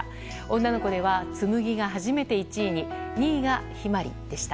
女の子では紬が初めて１位に２位が陽葵でした。